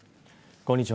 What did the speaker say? こんにちは。